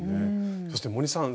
そして森さん